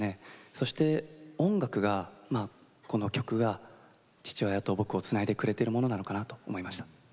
そして音楽がまあこの曲が父親と僕をつないでくれてるものなのかなと思いました。